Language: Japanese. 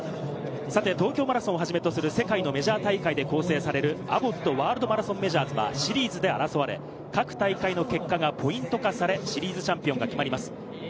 東京マラソンをはじめとする世界のメジャー大会で構成されるアボット・ワールドマラソンメジャーズはシリーズで争われ、各大会の結果がポイント化され、シリーズチャンピオンが決まります。